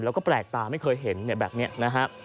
แล้วก็แปลกตาไม่เคยเห็นแบบนี้นะฮะ